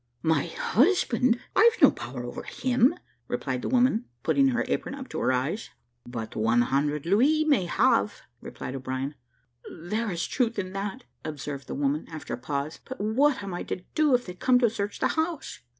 "My husband! I've no power over him," replied the woman, putting her apron up to her eyes. "But one hundred louis may have," replied O'Brien. "There is truth in that," observed the woman, after a pause; "but what am I to do, if they come to search the house?"